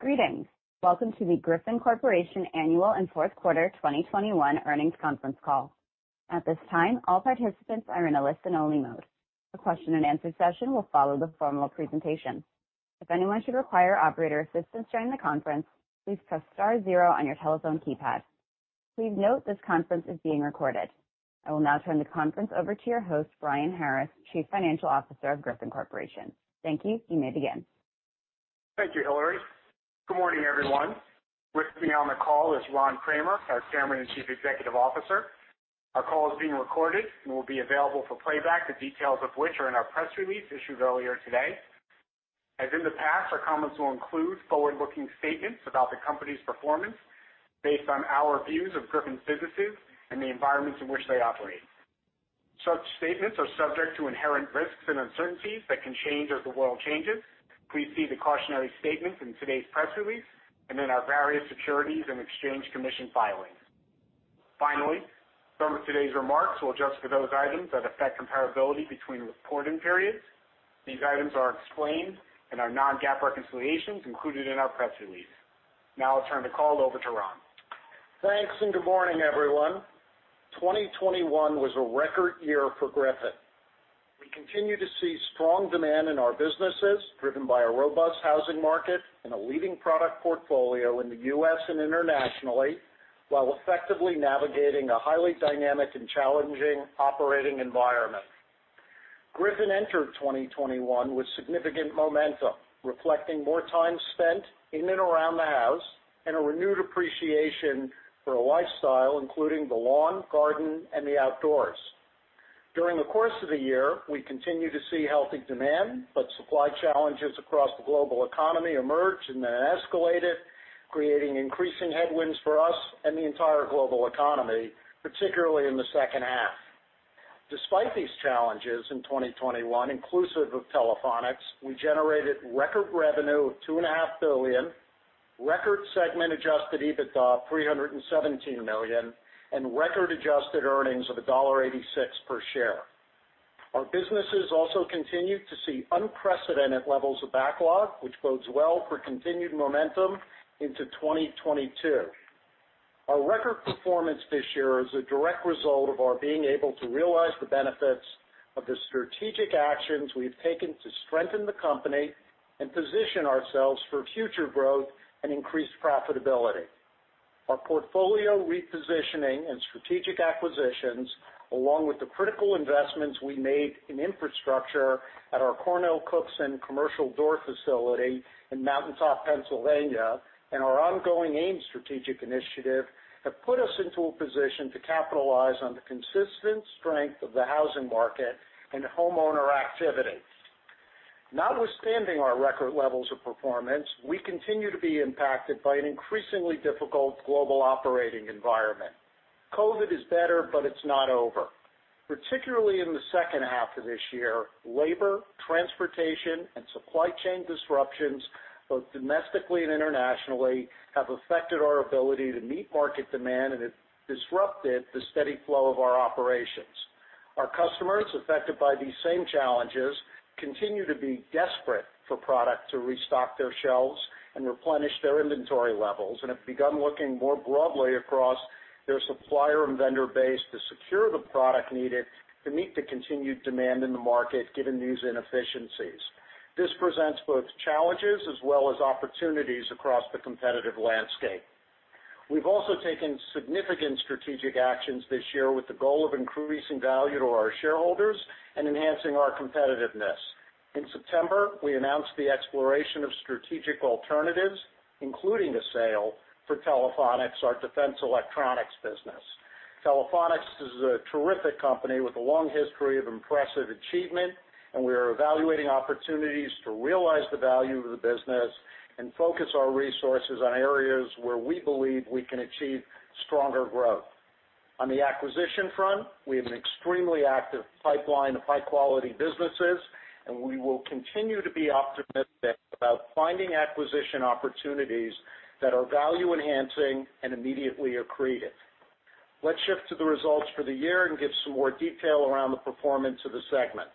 Greetings. Welcome to the Griffon Corporation Annual and Fourth Quarter 2021 earnings conference call. At this time, all participants are in a listen only mode. The question and answer session will follow the formal presentation. If anyone should require operator assistance during the conference, please press star zero on your telephone keypad. Please note this conference is being recorded. I will now turn the conference over to your host, Brian Harris, Chief Financial Officer of Griffon Corporation. Thank you. You may begin. Thank you, Hillary. Good morning, everyone. With me on the call is Ron Kramer, our Chairman and Chief Executive Officer. Our call is being recorded and will be available for playback, the details of which are in our press release issued earlier today. As in the past, our comments will include forward-looking statements about the company's performance based on our views of Griffon's businesses and the environments in which they operate. Such statements are subject to inherent risks and uncertainties that can change as the world changes. Please see the cautionary statements in today's press release and in our various Securities and Exchange Commission filings. Finally, some of today's remarks will adjust for those items that affect comparability between reporting periods. These items are explained in our non-GAAP reconciliations included in our press release. Now I'll turn the call over to Ron. Thanks, and good morning, everyone. 2021 was a record year for Griffon. We continue to see strong demand in our businesses, driven by a robust housing market and a leading product portfolio in the U.S. and internationally, while effectively navigating a highly dynamic and challenging operating environment. Griffon entered 2021 with significant momentum, reflecting more time spent in and around the house and a renewed appreciation for a lifestyle, including the lawn, garden, and the outdoors. During the course of the year, we continued to see healthy demand, but supply challenges across the global economy emerged and then escalated, creating increasing headwinds for us and the entire global economy, particularly in the second half. Despite these challenges in 2021, inclusive of Telephonics, we generated record revenue of $2.5 billion, record segment adjusted EBITDA, $317 million, and record adjusted earnings of $1.86 per share. Our businesses also continued to see unprecedented levels of backlog, which bodes well for continued momentum into 2022. Our record performance this year is a direct result of our being able to realize the benefits of the strategic actions we have taken to strengthen the company and position ourselves for future growth and increased profitability. Our portfolio repositioning and strategic acquisitions, along with the critical investments we made in infrastructure at our CornellCookson commercial door facility in Mountaintop, Pennsylvania, and our ongoing AMES strategic initiative, have put us into a position to capitalize on the consistent strength of the housing market and homeowner activity. Notwithstanding our record levels of performance, we continue to be impacted by an increasingly difficult global operating environment. COVID is better, but it's not over. Particularly in the second half of this year, labor, transportation, and supply chain disruptions, both domestically and internationally, have affected our ability to meet market demand and have disrupted the steady flow of our operations. Our customers, affected by these same challenges, continue to be desperate for product to restock their shelves and replenish their inventory levels and have begun looking more broadly across their supplier and vendor base to secure the product needed to meet the continued demand in the market, given these inefficiencies. This presents both challenges as well as opportunities across the competitive landscape. We've also taken significant strategic actions this year with the goal of increasing value to our shareholders and enhancing our competitiveness. In September, we announced the exploration of strategic alternatives, including a sale for Telephonics, our defense electronics business. Telephonics is a terrific company with a long history of impressive achievement, and we are evaluating opportunities to realize the value of the business and focus our resources on areas where we believe we can achieve stronger growth. On the acquisition front, we have an extremely active pipeline of high-quality businesses, and we will continue to be optimistic about finding acquisition opportunities that are value-enhancing and immediately accretive. Let's shift to the results for the year and give some more detail around the performance of the segments.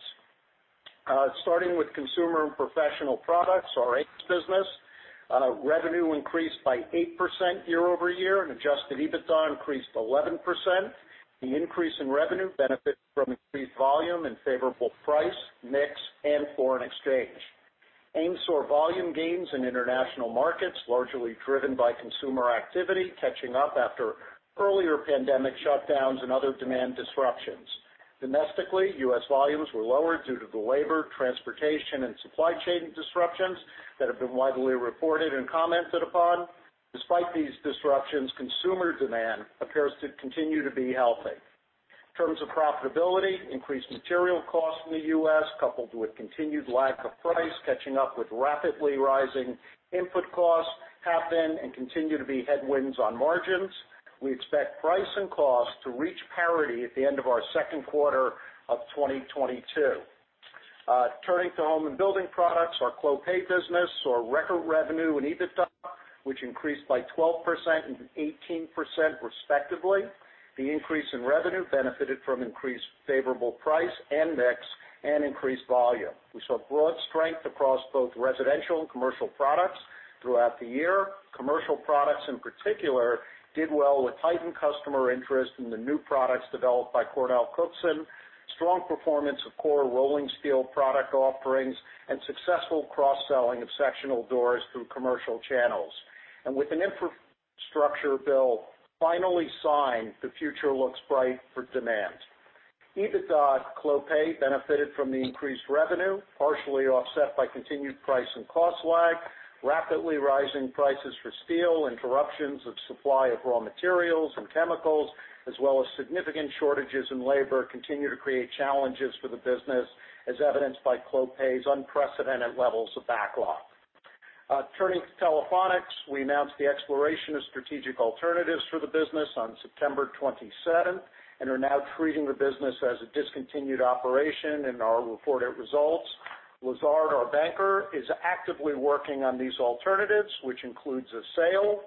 Starting with Consumer and Professional Products, our AMES business, revenue increased by 8% year-over-year, and adjusted EBITDA increased 11%. The increase in revenue benefited from increased volume and favorable price, mix, and foreign exchange. AMES saw volume gains in international markets, largely driven by consumer activity catching up after earlier pandemic shutdowns and other demand disruptions. Domestically, U.S. volumes were lower due to the labor, transportation, and supply chain disruptions that have been widely reported and commented upon. Despite these disruptions, consumer demand appears to continue to be healthy. In terms of profitability, increased material costs in the U.S., coupled with continued lag of price catching up with rapidly rising input costs have been and continue to be headwinds on margins. We expect price and cost to reach parity at the end of our second quarter of 2022. Turning to Home and Building Products, our Clopay business saw record revenue and EBITDA, which increased by 12% and 18% respectively. The increase in revenue benefited from increased favorable price and mix and increased volume. We saw broad strength across both residential and commercial products throughout the year. Commercial products in particular did well with heightened customer interest in the new products developed by CornellCookson, strong performance of core rolling steel product offerings, and successful cross-selling of sectional doors through commercial channels. With an infrastructure bill finally signed, the future looks bright for demand. EBITDA Clopay benefited from the increased revenue, partially offset by continued price and cost lag. Rapidly rising prices for steel, interruptions of supply of raw materials and chemicals, as well as significant shortages in labor, continue to create challenges for the business, as evidenced by Clopay's unprecedented levels of backlog. Turning to Telephonics. We announced the exploration of strategic alternatives for the business on September 27th, and are now treating the business as a discontinued operation in our reported results. Lazard, our banker, is actively working on these alternatives, which includes a sale.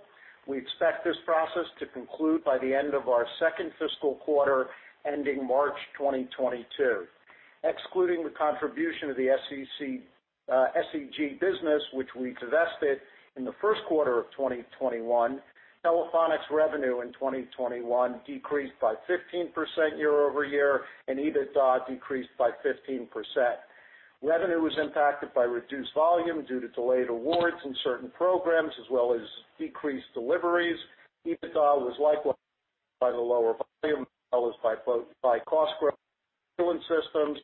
We expect this process to conclude by the end of our second fiscal quarter, ending March 2022. Excluding the contribution of the SEG business, which we divested in the first quarter of 2021, Telephonics revenue in 2021 decreased by 15% year-over-year, and EBITDA decreased by 15%. Revenue was impacted by reduced volume due to delayed awards in certain programs, as well as decreased deliveries. EBITDA was impacted by the lower volume, as well as by cost growth in systems,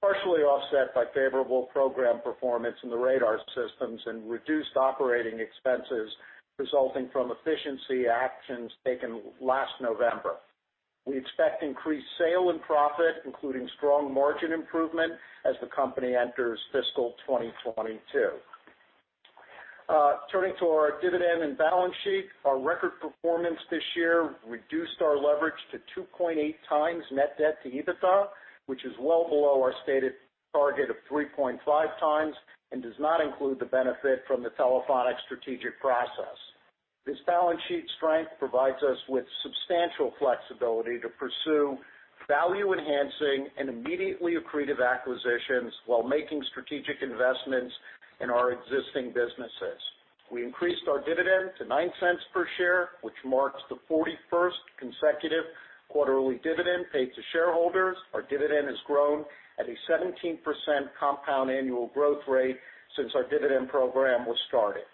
partially offset by favorable program performance in the radar systems and reduced operating expenses resulting from efficiency actions taken last November. We expect increased sales and profits, including strong margin improvement as the company enters fiscal 2022. Turning to our dividend and balance sheet. Our record performance this year reduced our leverage to 2.8x net debt to EBITDA, which is well below our stated target of 3.5x and does not include the benefit from the Telephonics strategic process. This balance sheet strength provides us with substantial flexibility to pursue value-enhancing and immediately accretive acquisitions while making strategic investments in our existing businesses. We increased our dividend to $0.09 per share, which marks the 41st consecutive quarterly dividend paid to shareholders. Our dividend has grown at a 17% compound annual growth rate since our dividend program was started.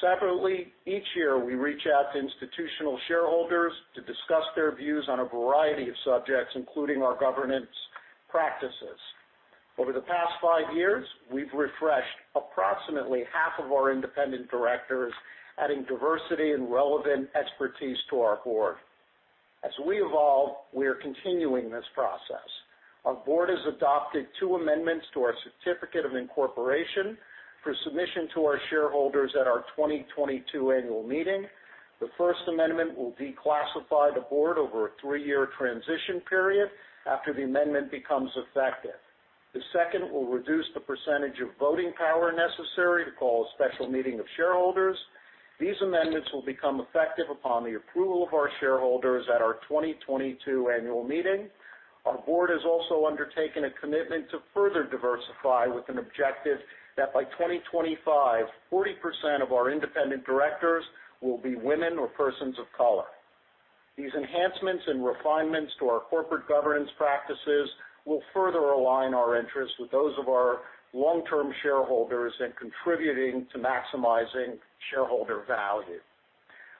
Separately, each year, we reach out to institutional shareholders to discuss their views on a variety of subjects, including our governance practices. Over the past five years, we've refreshed approximately half of our independent directors, adding diversity and relevant expertise to our board. As we evolve, we are continuing this process. Our Board has adopted two amendments to our Certificate of Incorporation for submission to our shareholders at our 2022 annual meeting. The first amendment will declassify the Board over a three-year transition period after the amendment becomes effective. The second will reduce the percentage of voting power necessary to call a special meeting of shareholders. These amendments will become effective upon the approval of our shareholders at our 2022 annual meeting. Our Board has also undertaken a commitment to further diversify, with an objective that by 2025, 40% of our Independent Directors will be women or persons of color. These enhancements and refinements to our corporate governance practices will further align our interests with those of our long-term shareholders in contributing to maximizing shareholder value.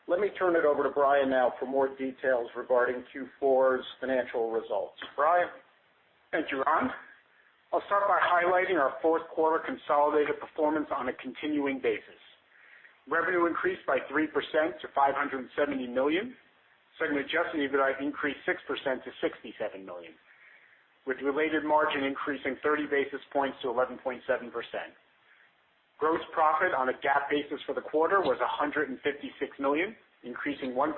Let me turn it over to Brian now for more details regarding Q4's financial results. Brian? Thank you, Ron. I'll start by highlighting our fourth quarter consolidated performance on a continuing basis. Revenue increased by 3% to $570 million. Segment adjusted EBITDA increased 6% to $67 million, with related margin increasing 30 basis points to 11.7%. Gross profit on a GAAP basis for the quarter was $156 million, increasing 1%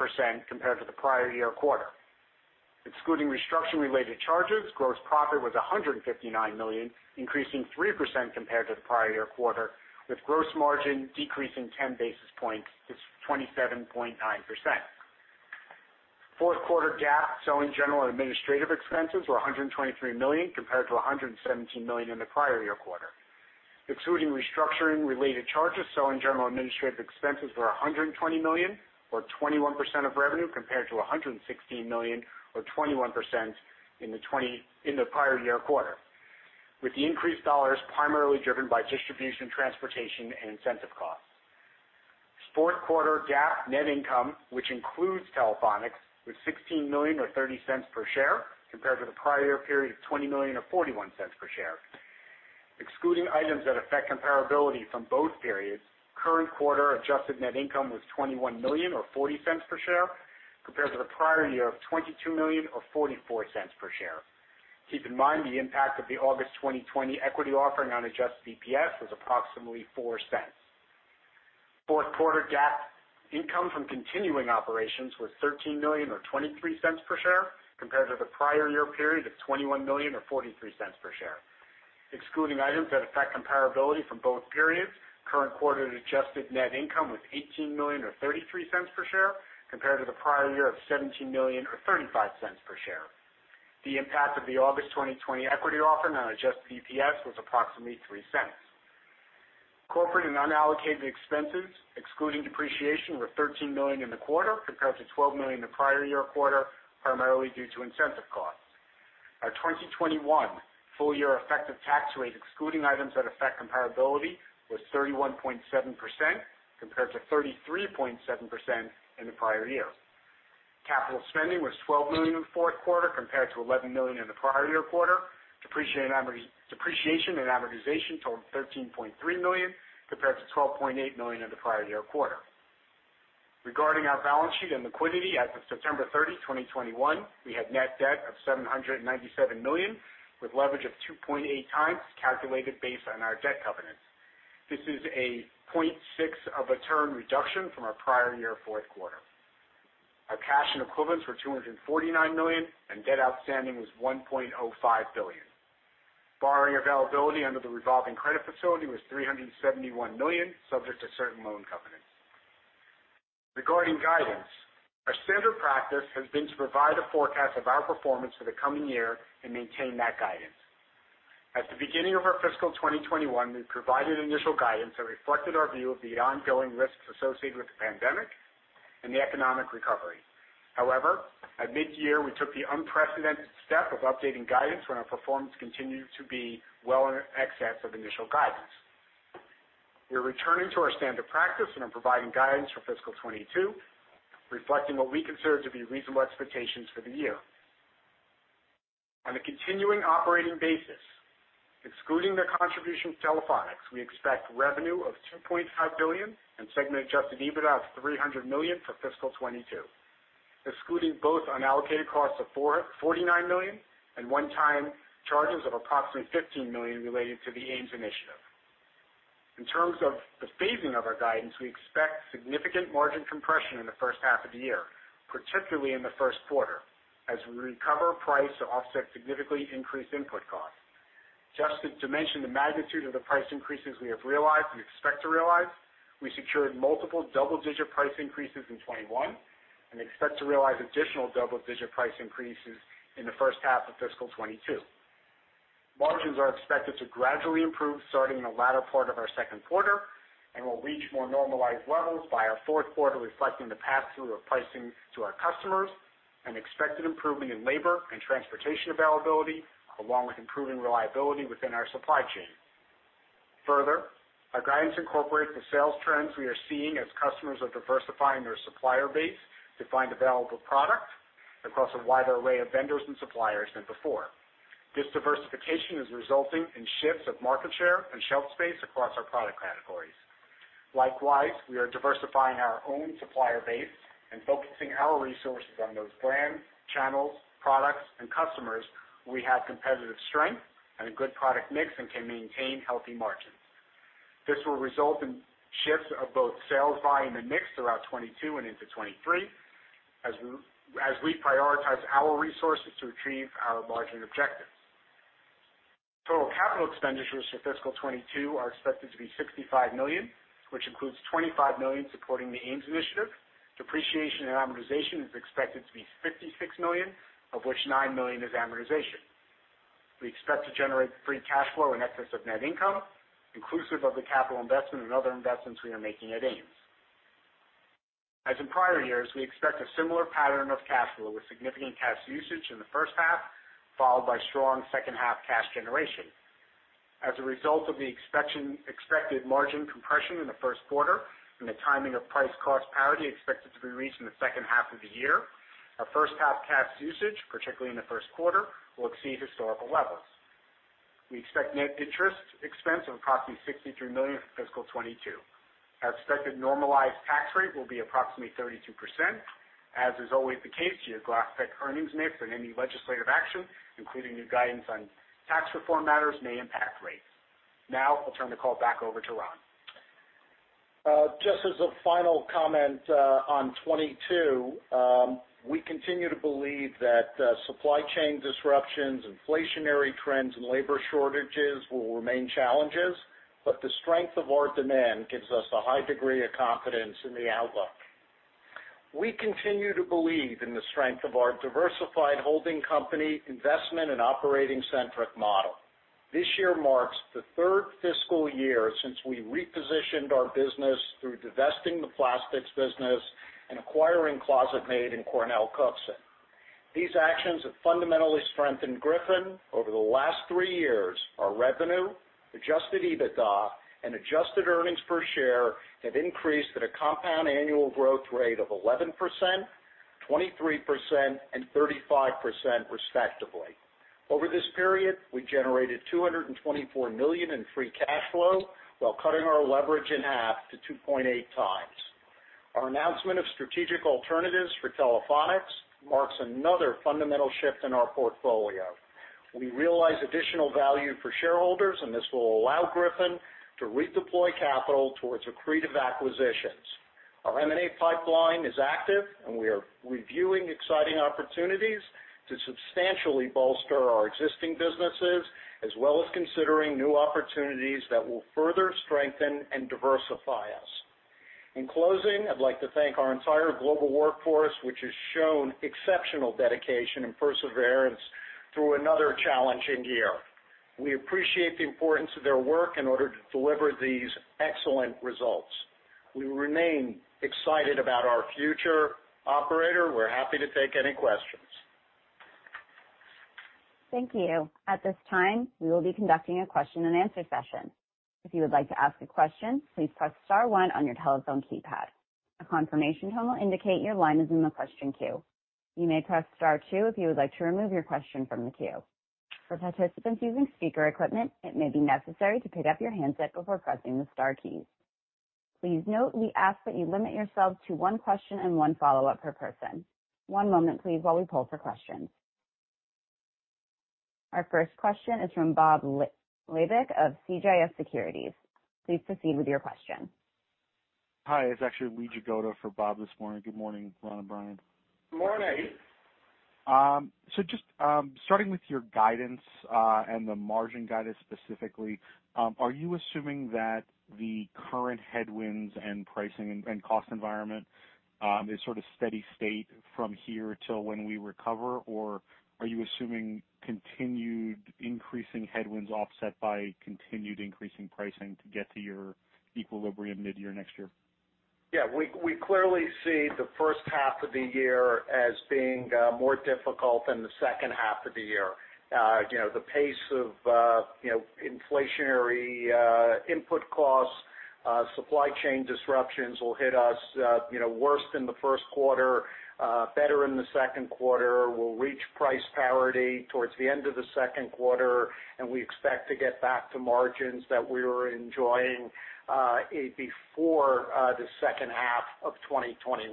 compared to the prior year quarter. Excluding restructuring related charges, gross profit was $159 million, increasing 3% compared to the prior year quarter, with gross margin decreasing 10 basis points to 27.9%. Fourth quarter GAAP selling general and administrative expenses were $123 million compared to $117 million in the prior year quarter. Excluding restructuring related charges, selling, general, and administrative expenses were $120 million, or 21% of revenue, compared to $116 million or 21% in the prior year quarter, with the increased dollars primarily driven by distribution, transportation, and incentive costs. Fourth quarter GAAP net income, which includes Telephonics, was $16 million or $0.30 per share, compared to the prior year period of $20 million or $0.41 per share. Excluding items that affect comparability from both periods, current quarter adjusted net income was $21 million or $0.40 per share, compared to the prior year of $22 million or $0.44 per share. Keep in mind the impact of the August 2020 equity offering on adjusted EPS was approximately $0.04. Fourth quarter GAAP income from continuing operations was $13 million or $0.23 per share compared to the prior year period of $21 million or $0.43 per share. Excluding items that affect comparability from both periods, current quarter adjusted net income was $18 million or $0.33 per share compared to the prior year of $17 million or $0.35 per share. The impact of the August 2020 equity offer on adjusted EPS was approximately $0.03. Corporate and unallocated expenses excluding depreciation were $13 million in the quarter compared to $12 million the prior year quarter, primarily due to incentive costs. Our 2021 full year effective tax rate, excluding items that affect comparability, was 31.7% compared to 33.7% in the prior year. Capital spending was $12 million in the fourth quarter compared to $11 million in the prior year quarter. Depreciation and amortization totaled $13.3 million compared to $12.8 million in the prior year quarter. Regarding our balance sheet and liquidity as of September 30, 2021, we had net debt of $797 million, with leverage of 2.8x calculated based on our debt covenants. This is a 0.6 of a turn reduction from our prior year fourth quarter. Our cash and equivalents were $249 million, and debt outstanding was $1.05 billion. Borrowing availability under the revolving credit facility was $371 million, subject to certain loan covenants. Regarding guidance, our standard practice has been to provide a forecast of our performance for the coming year and maintain that guidance. At the beginning of our fiscal 2021, we provided initial guidance that reflected our view of the ongoing risks associated with the pandemic and the economic recovery. However, at mid-year, we took the unprecedented step of updating guidance when our performance continued to be well in excess of initial guidance. We are returning to our standard practice and are providing guidance for fiscal 2022, reflecting what we consider to be reasonable expectations for the year. On a continuing operating basis, excluding the contribution of Telephonics, we expect revenue of $2.5 billion and segment adjusted EBITDA of $300 million for fiscal 2022, excluding both unallocated costs of $49 million and one-time charges of approximately $15 million related to the AMES initiative. In terms of the phasing of our guidance, we expect significant margin compression in the first half of the year, particularly in the first quarter, as we recover price to offset significantly increased input costs. Just to dimension the magnitude of the price increases we have realized and expect to realize, we secured multiple double-digit price increases in 2021 and expect to realize additional double-digit price increases in the first half of fiscal 2022. Margins are expected to gradually improve starting in the latter part of our second quarter and will reach more normalized levels by our fourth quarter, reflecting the passthrough of pricing to our customers and expected improvement in labor and transportation availability, along with improving reliability within our supply chain. Further, our guidance incorporates the sales trends we are seeing as customers are diversifying their supplier base to find available product across a wider array of vendors and suppliers than before. This diversification is resulting in shifts of market share and shelf space across our product categories. Likewise, we are diversifying our own supplier base and focusing our resources on those brands, channels, products, and customers where we have competitive strength and a good product mix and can maintain healthy margins. This will result in shifts of both sales volume and mix throughout 2022 and into 2023 as we prioritize our resources to achieve our margin objectives. Total capital expenditures for fiscal 2022 are expected to be $65 million, which includes $25 million supporting the AMES initiative. Depreciation and amortization is expected to be $56 million, of which $9 million is amortization. We expect to generate free cash flow in excess of net income, inclusive of the capital investment and other investments we are making at AMES. As in prior years, we expect a similar pattern of cash flow, with significant cash usage in the first half, followed by strong second half cash generation. As a result of the expected margin compression in the first quarter and the timing of price cost parity expected to be reached in the second half of the year, our first half cash usage, particularly in the first quarter, will exceed historical levels. We expect net interest expense of approximately $63 million for fiscal 2022. Our expected normalized tax rate will be approximately 32%. As is always the case, year-to-date geographic earnings mix and any legislative action, including new guidance on tax reform matters, may impact rates. Now I'll turn the call back over to Ron. Just as a final comment on 2022, we continue to believe that supply chain disruptions, inflationary trends, and labor shortages will remain challenges, but the strength of our demand gives us a high degree of confidence in the outlook. We continue to believe in the strength of our diversified holding company investment and operating-centric model. This year marks the third fiscal year since we repositioned our business through divesting the plastics business and acquiring ClosetMaid and CornellCookson. These actions have fundamentally strengthened Griffon over the last three years. Our revenue, adjusted EBITDA, and adjusted earnings per share have increased at a compound annual growth rate of 11%, 23%, and 35% respectively. Over this period, we generated $224 million in free cash flow while cutting our leverage in half to 2.8x. Our announcement of strategic alternatives for Telephonics marks another fundamental shift in our portfolio. We realize additional value for shareholders, and this will allow Griffon to redeploy capital towards accretive acquisitions. Our M&A pipeline is active, and we are reviewing exciting opportunities to substantially bolster our existing businesses, as well as considering new opportunities that will further strengthen and diversify us. In closing, I'd like to thank our entire global workforce, which has shown exceptional dedication and perseverance through another challenging year. We appreciate the importance of their work in order to deliver these excellent results. We remain excited about our future. Operator, we're happy to take any questions. Thank you. At this time, we will be conducting a question-and-answer session. If you would like to ask a question, please press star one on your telephone keypad. A confirmation tone will indicate your line is in the question queue. You may press star two if you would like to remove your question from the queue. For participants using speaker equipment, it may be necessary to pick up your handset before pressing the star keys. Please note we ask that you limit yourself to one question and one follow-up per person. One moment please while we pull for questions. Our first question is from Bob Labick of CJS Securities. Please proceed with your question. Hi, it's actually Lee Jagoda for Bob this morning. Good morning, Ron and Brian. Good morning. Just starting with your guidance and the margin guidance specifically, are you assuming that the current headwinds and pricing and cost environment is sort of steady state from here till when we recover? Or are you assuming continued increasing headwinds offset by continued increasing pricing to get to your equilibrium mid-year next year? Yeah. We clearly see the first half of the year as being more difficult than the second half of the year. You know, the pace of you know, inflationary input costs, supply chain disruptions will hit us you know, worse in the first quarter, better in the second quarter. We'll reach price parity towards the end of the second quarter, and we expect to get back to margins that we were enjoying before the second half of 2021.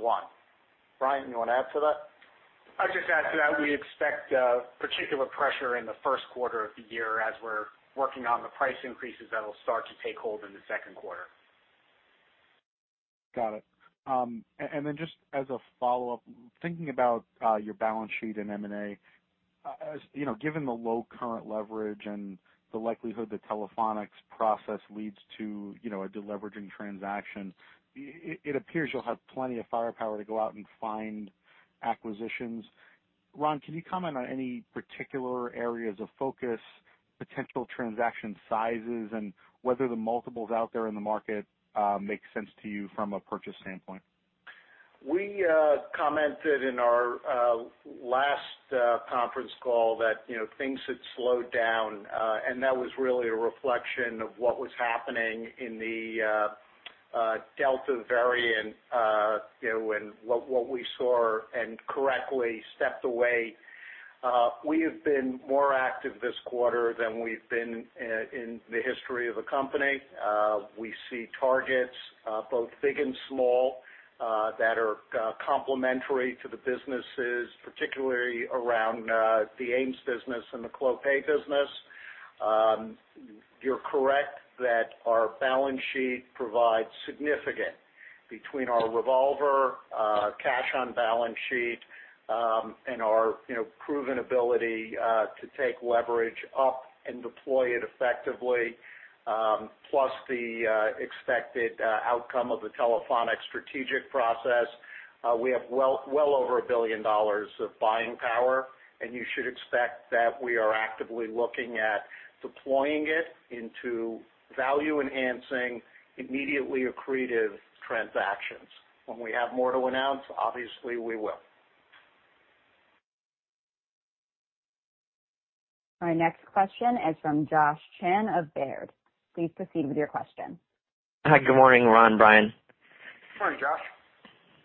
Brian, you wanna add to that? I'd just add to that, we expect particular pressure in the first quarter of the year as we're working on the price increases that'll start to take hold in the second quarter. Got it. Then just as a follow-up, thinking about your balance sheet and M&A, as you know, given the low current leverage and the likelihood that Telephonics process leads to, you know, a deleveraging transaction, it appears you'll have plenty of firepower to go out and find acquisitions. Ron, can you comment on any particular areas of focus, potential transaction sizes, and whether the multiples out there in the market make sense to you from a purchase standpoint? We commented in our last conference call that, you know, things had slowed down, and that was really a reflection of what was happening in the Delta variant, you know, and what we saw and correctly stepped away. We have been more active this quarter than we've been in the history of the company. We see targets both big and small that are complementary to the businesses, particularly around the AMES business and the Clopay business. You're correct that our balance sheet provides significant between our revolver, cash on balance sheet, and our, you know, proven ability to take leverage up and deploy it effectively, plus the expected outcome of the Telephonics strategic process. We have well over $1 billion of buying power, and you should expect that we are actively looking at deploying it into value-enhancing, immediately accretive transactions. When we have more to announce, obviously we will. Our next question is from Josh Chan of Baird. Please proceed with your question. Hi. Good morning, Ron, Brian. Morning, Josh.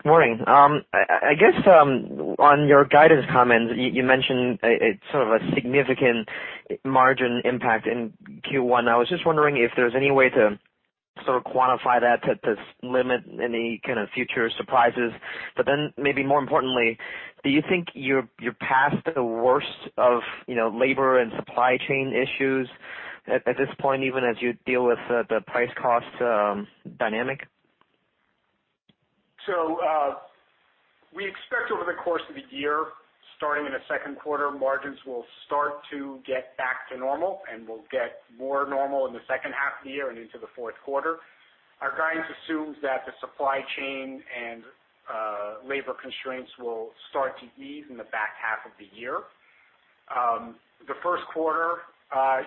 Morning. I guess on your guidance comments, you mentioned it's sort of a significant margin impact in Q1. I was just wondering if there's any way to sort of quantify that to limit any kind of future surprises. Maybe more importantly, do you think you're past the worst of, you know, labor and supply chain issues at this point, even as you deal with the price cost dynamic? We expect over the course of the year, starting in the second quarter, margins will start to get back to normal and will get more normal in the second half of the year and into the fourth quarter. Our guidance assumes that the supply chain and labor constraints will start to ease in the back half of the year. The first quarter,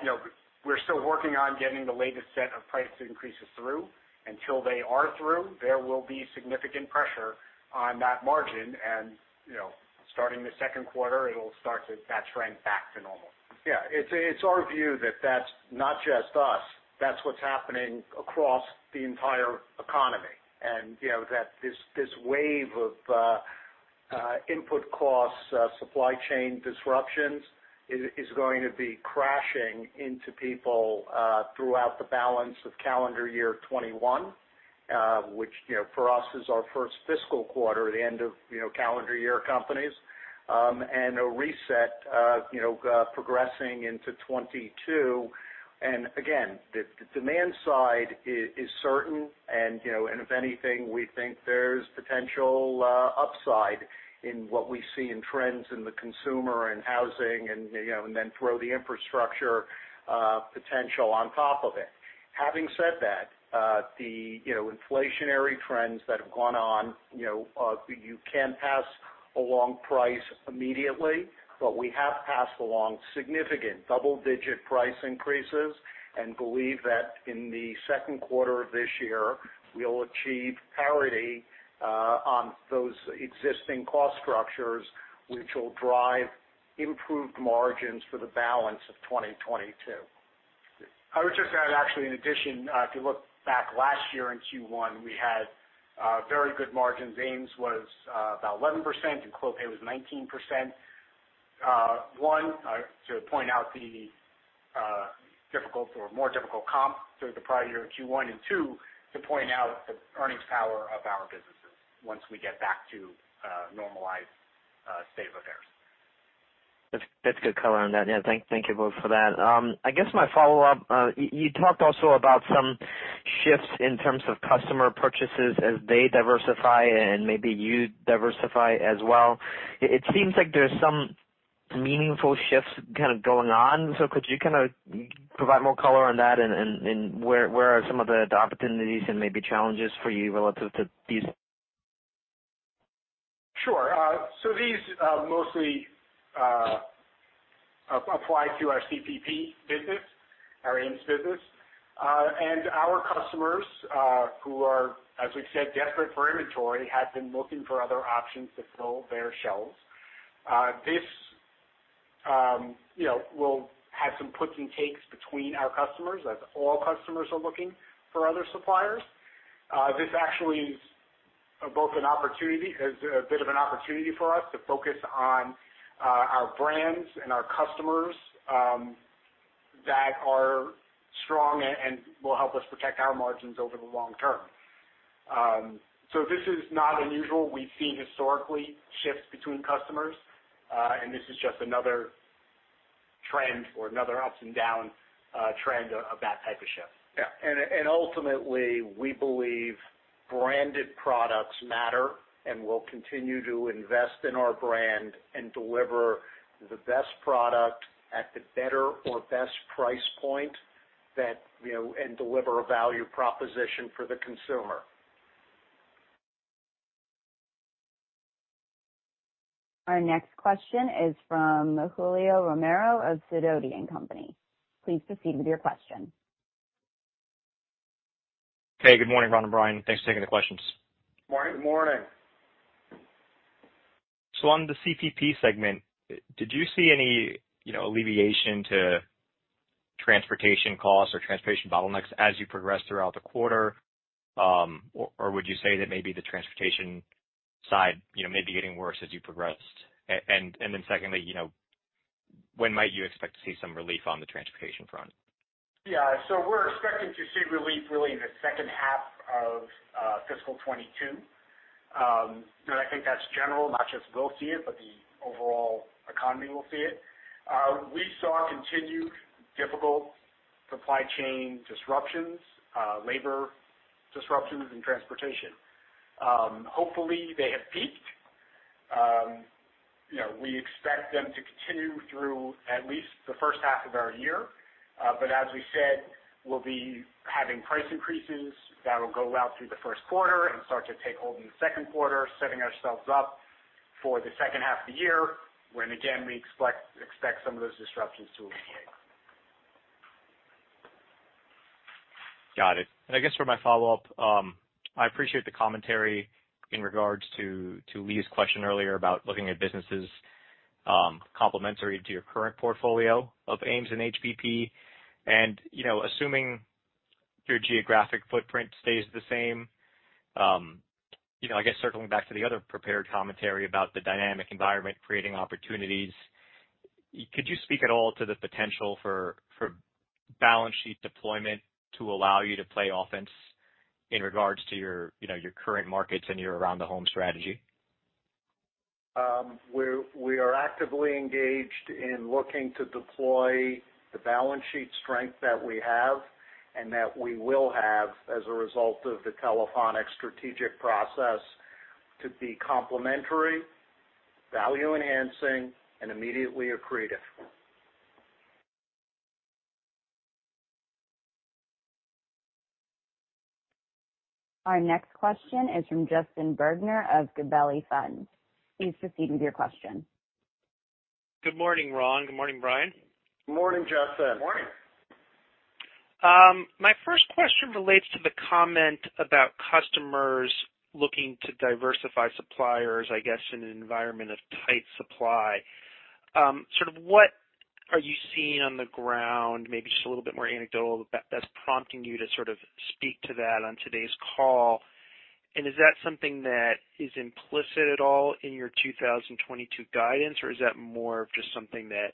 you know, we're still working on getting the latest set of price increases through. Until they are through, there will be significant pressure on that margin and, you know, starting the second quarter, it'll start to trend back to normal. Yeah. It's our view that that's not just us, that's what's happening across the entire economy. You know, this wave of input costs, supply chain disruptions is going to be crashing into people throughout the balance of calendar year 2021, which you know, for us is our first fiscal quarter at the end of calendar year for companies, and a reset you know progressing into 2022. Again, the demand side is certain, you know, and if anything, we think there's potential upside in what we see in trends in the consumer and housing, you know, and then throw the infrastructure potential on top of it. Having said that, you know, inflationary trends that have gone on, you know, you can pass along price immediately, but we have passed along significant double-digit price increases and believe that in the second quarter of this year, we'll achieve parity on those existing cost structures, which will drive improved margins for the balance of 2022. I would just add actually in addition, if you look back last year in Q1, we had very good margins. AMES was about 11% and Clopay was 19%. One, to point out the difficult or more difficult comp through the prior year Q1, and two, to point out the earnings power of our businesses once we get back to a normalized state of affairs. That's good color on that. Yeah. Thank you both for that. I guess my follow-up, you talked also about some shifts in terms of customer purchases as they diversify and maybe you diversify as well. It seems like there's some meaningful shifts kind of going on. Could you kind of provide more color on that and where are some of the opportunities and maybe challenges for you relative to these? Sure. So these mostly apply to our CPP business, our AMES business. Our customers, who are, as we've said, desperate for inventory, have been looking for other options to fill their shelves. This, you know, will have some puts and takes between our customers as all customers are looking for other suppliers. This actually is a bit of an opportunity for us to focus on our brands and our customers that are strong and will help us protect our margins over the long term. This is not unusual. We've seen historically shifts between customers and this is just another trend or another ups and down trend of that type of shift. Yeah. Ultimately, we believe branded products matter, and we'll continue to invest in our brand and deliver the best product at the better or best price point that, you know, and deliver a value proposition for the consumer. Our next question is from Julio Romero of Sidoti & Company. Please proceed with your question. Hey, good morning, Ron and Brian. Thanks for taking the questions. Morning. Morning. On the CPP segment, did you see any, you know, alleviation to transportation costs or transportation bottlenecks as you progressed throughout the quarter? Or would you say that maybe the transportation side, you know, may be getting worse as you progressed? And then secondly, you know, when might you expect to see some relief on the transportation front? Yeah. We're expecting to see relief really in the second half of fiscal 2022. I think that's general, not just we'll see it, but the overall economy will see it. We saw continued difficult supply chain disruptions, labor disruptions in transportation. Hopefully, they have peaked. You know, we expect them to continue through at least the first half of our year. As we said, we'll be having price increases that will go out through the first quarter and start to take hold in the second quarter, setting ourselves up for the second half of the year when, again, we expect some of those disruptions to alleviate. Got it. I guess for my follow-up, I appreciate the commentary in regards to to Lee's question earlier about looking at businesses complementary to your current portfolio of AMES and HBP. You know, assuming your geographic footprint stays the same, you know, I guess circling back to the other prepared commentary about the dynamic environment creating opportunities, could you speak at all to the potential for balance sheet deployment to allow you to play offense in regards to your, you know, your current markets and your around the home strategy? We are actively engaged in looking to deploy the balance sheet strength that we have and that we will have as a result of the Telephonics strategic process to be complementary, value enhancing, and immediately accretive. Our next question is from Justin Bergner of Gabelli Funds. Please proceed with your question. Good morning, Ron. Good morning, Brian. Good morning, Justin. Morning. My first question relates to the comment about customers looking to diversify suppliers, I guess, in an environment of tight supply. Sort of what are you seeing on the ground, maybe just a little bit more anecdotal, that's prompting you to sort of speak to that on today's call? Is that something that is implicit at all in your 2022 guidance, or is that more of just something that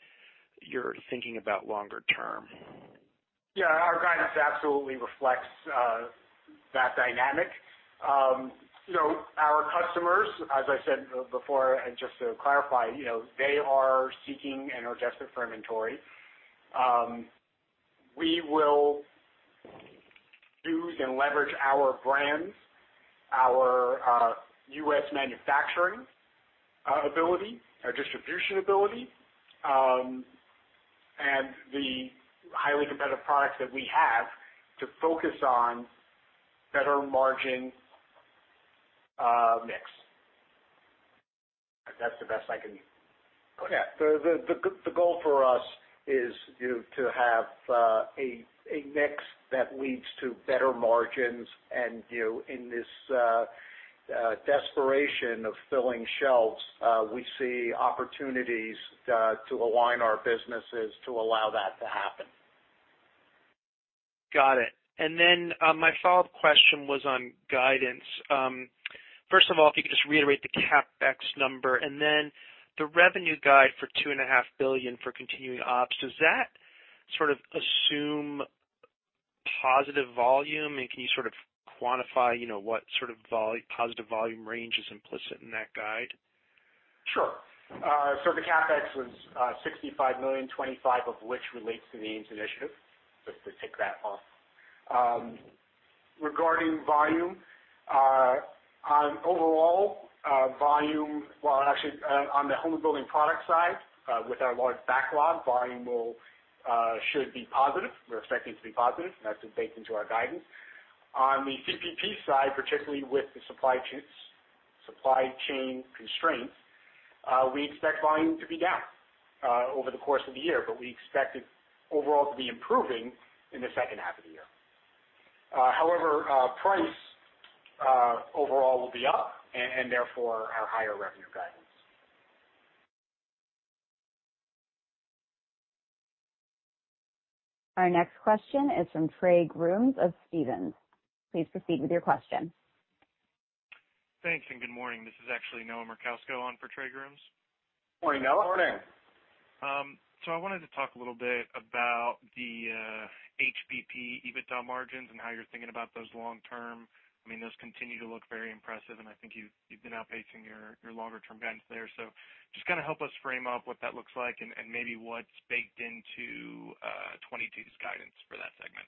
you're thinking about longer term? Yeah, our guidance absolutely reflects that dynamic. You know, our customers, as I said before, and just to clarify, you know, they are seeking an adjustment for inventory. We will use and leverage our brands, our U.S. manufacturing ability, our distribution ability, and the highly competitive products that we have to focus on better margin mix. That's the best I can. Yeah. The goal for us is, you know, to have a mix that leads to better margins. You know, in this desperation of filling shelves, we see opportunities to align our businesses to allow that to happen. Got it. My follow-up question was on guidance. First of all, if you could just reiterate the CapEx number, and then the revenue guide for $2.5 billion for continuing ops, does that sort of assume positive volume? And can you sort of quantify, you know, what sort of positive volume range is implicit in that guide? Sure. So the CapEx was $65 million, 25 of which relates to the AMES initiative, just to tick that off. Regarding volume, overall, well, actually, on the Home and Building Products side, with our large backlog, volume should be positive. We're expecting it to be positive, and that's been baked into our guidance. On the HBP side, particularly with the supply chain constraints, we expect volume to be down over the course of the year, but we expect it overall to be improving in the second half of the year. However, price overall will be up, and therefore our higher revenue guidance. Our next question is from Trey Grooms of Stephens. Please proceed with your question. Thanks, and good morning. This is actually Noah Merkousko on for Trey Grooms. Morning, Noah. Morning. I wanted to talk a little bit about the HBP EBITDA margins and how you're thinking about those long term. I mean, those continue to look very impressive, and I think you've been outpacing your longer term guidance there. Just kinda help us frame up what that looks like and maybe what's baked into 2022's guidance for that segment.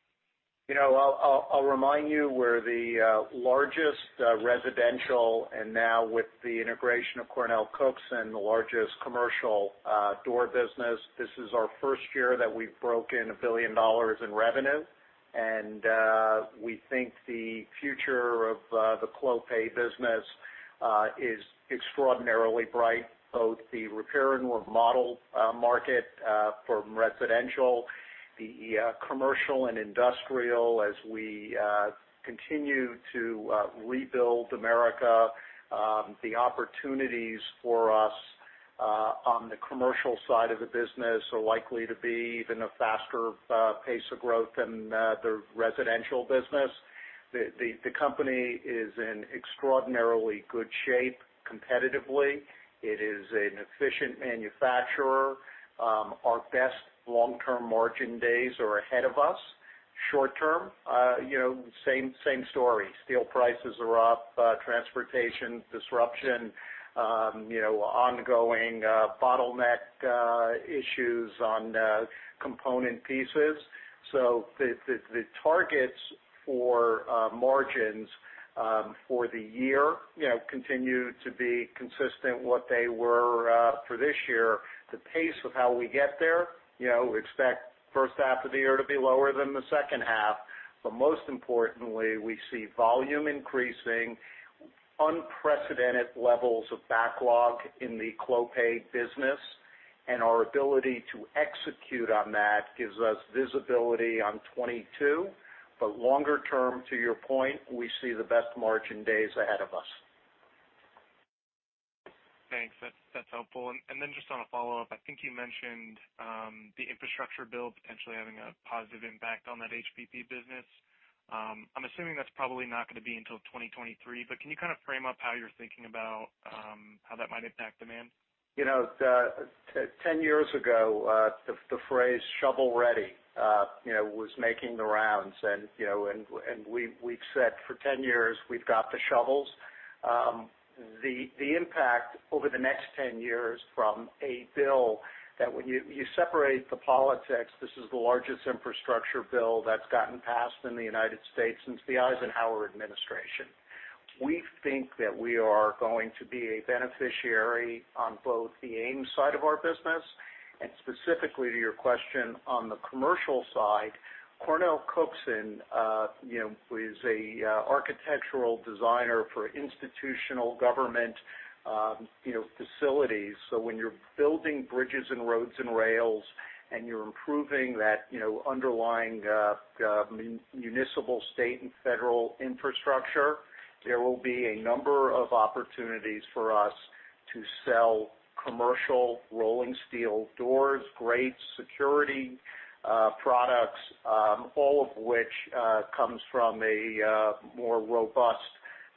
You know, I'll remind you we're the largest residential, and now with the integration of CornellCookson, the largest commercial door business. This is our first year that we've broken $1 billion in revenue. We think the future of the Clopay business is extraordinarily bright, both the repair and remodel market from residential, the commercial and industrial. As we continue to rebuild America, the opportunities for us on the commercial side of the business are likely to be even a faster pace of growth than the residential business. The company is in extraordinarily good shape competitively. It is an efficient manufacturer. Our best long-term margin days are ahead of us. Short term, you know, same story. Steel prices are up, transportation disruption, you know, ongoing bottleneck issues on component pieces. The targets for margins for the year, you know, continue to be consistent with what they were for this year. The pace of how we get there, you know, we expect first half of the year to be lower than the second half. Most importantly, we see volume increasing, unprecedented levels of backlog in the Clopay business, and our ability to execute on that gives us visibility on 2022. Longer term, to your point, we see the best margin days ahead of us. Thanks. That's helpful. Just on a follow-up, I think you mentioned the infrastructure bill potentially having a positive impact on that HBP business. I'm assuming that's probably not gonna be until 2023, but can you kind of frame up how you're thinking about how that might impact demand? You know, 10 years ago, the phrase shovel ready, you know, was making the rounds. You know, we've said for 10 years, we've got the shovels. The impact over the next 10 years from a bill that when you separate the politics, this is the largest infrastructure bill that's gotten passed in the United States since the Eisenhower administration. We think that we are going to be a beneficiary on both the AMES side of our business and specifically to your question, on the commercial side, CornellCookson is an architectural designer for institutional government facilities. When you're building bridges and roads and rails and you're improving that, you know, underlying municipal, state, and federal infrastructure, there will be a number of opportunities for us to sell commercial rolling steel doors, grilles, security products, all of which comes from a more robust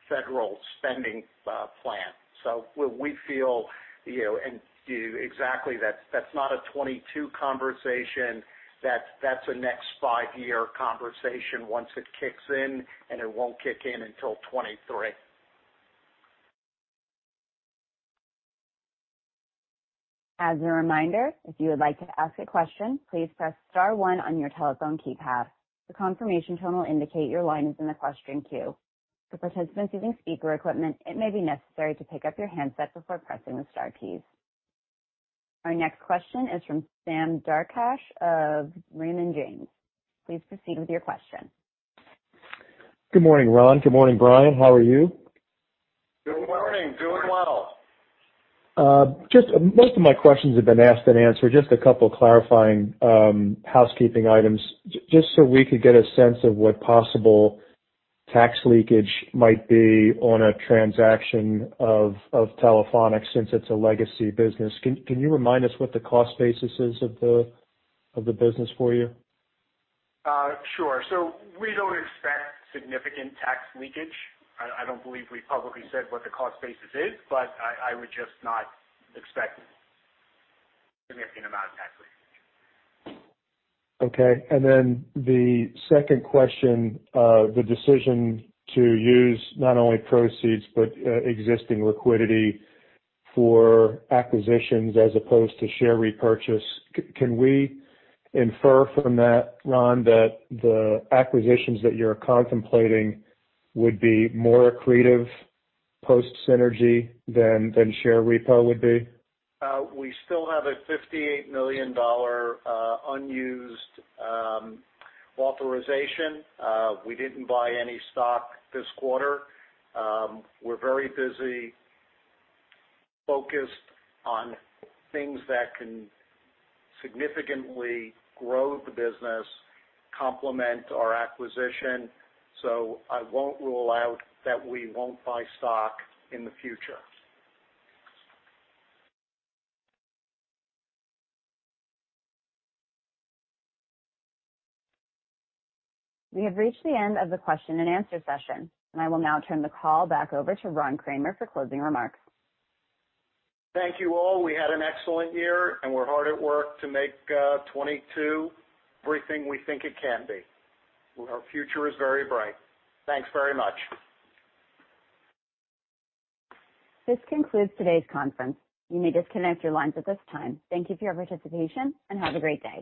federal spending plan. We feel, you know, and do exactly that. That's not a 2022 conversation. That's a next five-year conversation once it kicks in, and it won't kick in until 2023. As a reminder, if you would like to ask a question, please press star one on your telephone keypad. The confirmation tone will indicate your line is in the question queue. For participants using speaker equipment, it may be necessary to pick up your handset before pressing the star key. Our next question is from Sam Darkatsh of Raymond James. Please proceed with your question. Good morning, Ron. Good morning, Brian. How are you? Good morning. Doing well. Just most of my questions have been asked and answered. Just a couple clarifying housekeeping items. Just so we could get a sense of what possible tax leakage might be on a transaction of Telephonics since it's a legacy business. Can you remind us what the cost basis is of the business for you? We don't expect significant tax leakage. I don't believe we've publicly said what the cost basis is, but I would just not expect significant amount of tax leakage. Okay. The second question, the decision to use not only proceeds but existing liquidity for acquisitions as opposed to share repurchase, can we infer from that, Ron, that the acquisitions that you're contemplating would be more accretive post synergy than share repo would be? We still have a $58 million unused authorization. We didn't buy any stock this quarter. We're very busy focused on things that can significantly grow the business, complement our acquisition. I won't rule out that we won't buy stock in the future. We have reached the end of the question and answer session, and I will now turn the call back over to Ron Kramer for closing remarks. Thank you all. We had an excellent year, and we're hard at work to make 2022 everything we think it can be. Our future is very bright. Thanks very much. This concludes today's conference. You may disconnect your lines at this time. Thank you for your participation, and have a great day.